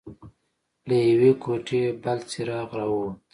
له يوې کوټې بل څراغ راووت.